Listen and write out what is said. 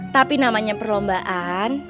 tapi namanya perlombaan